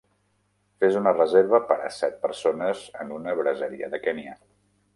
Fes una reserva per a set persones en una braseria de Kenya